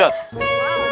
siap ustadz ya